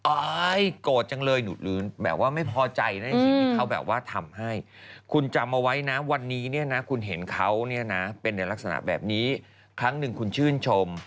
โกรธจังเลยหลุดลื้นแบบว่าไม่พอใจนะในสิ่งที่เขาแบบว่าทำให้คุณจำเอาไว้นะวันนี้เนี่ยนะคุณเห็นเขาเนี่ยนะเป็นในลักษณะแบบนี้ครั้งหนึ่งคุณชื่นชม